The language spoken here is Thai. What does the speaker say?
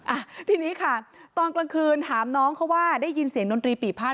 อ่ะทีนี้ค่ะตอนกลางคืนถามน้องเขาว่าได้ยินเสียงดนตรีปีภาษ